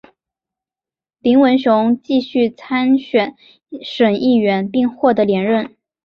林文雄继续参选省议员并获得连任。